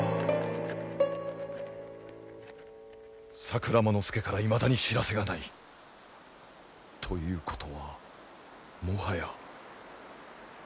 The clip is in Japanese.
桜間ノ介からいまだに知らせがない。ということはもはや。